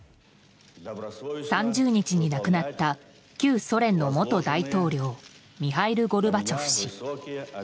３０日に亡くなった旧ソ連の元大統領ミハイル・ゴルバチョフ氏。